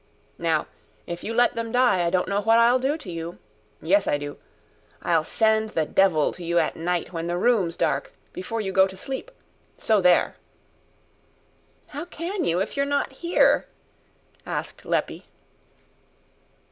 Now if you let them die, I don't know what I'll do to you! Yes, I do: I'll send the devil to you at night when the room's dark, before you go to sleep. So there!" "How can you if you're not here?" asked Leppie.